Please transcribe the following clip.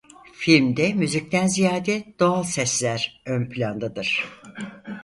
Filmde müzikten ziyade doğal sesler ön plandadır.